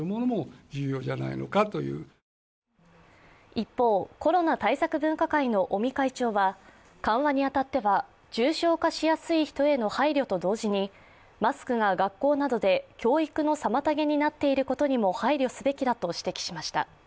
一方、コロナ対策分科会の尾身会長は、緩和に当たっては重症化しやすい人への配慮と同時に配慮と同時に、マスクが学校などで教育の妨げになっていることにも配慮すべきだと指摘しました。